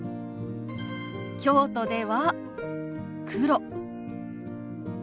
京都では「黒」。